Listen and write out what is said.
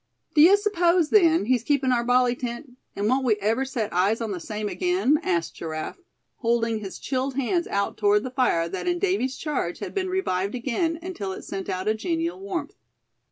"D'ye suppose, then, he's keepin' our bally tent; and won't we ever set eyes on the same again?" asked Giraffe, holding his chilled hands out toward the fire that in Davy's charge had been revived again until it sent out a genial warmth.